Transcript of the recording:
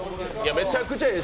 めちゃくちゃええ